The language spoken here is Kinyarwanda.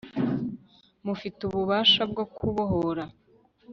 mufite ububasha bwo kubohora